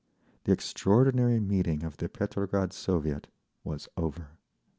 The extraordinary meeting of the Petrograd Soviet was over.